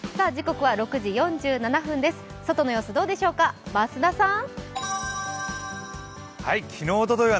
外の様子、どうでしょうか増田さん。